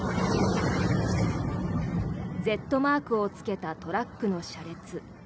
Ｚマークをつけたトラックの車列。